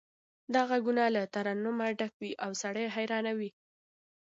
دا غږونه له ترنمه ډک وي او سړی حیرانوي